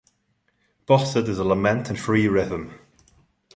Bocet is a lament in free rhythm.